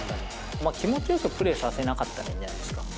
気持ちよくプレーさせなかったらいいんじゃないですか。